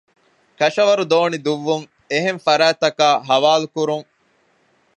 ކަށަވަރު ދޯނި ދުއްވުން އެހެން ފަރާތަކާއި ޙަވާލުކުރުން